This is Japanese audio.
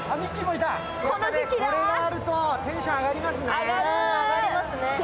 これがあるとテンション上がりますね。